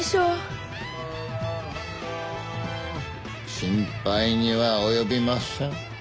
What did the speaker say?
心配には及びません。